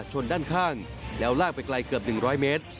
ชนด้านข้างแล้วลากไปไกลเกือบ๑๐๐เมตร